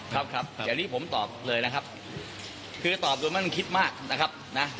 ครับผมตอบเลยนะครับคือตอบดัวมันคิดมากนะครับ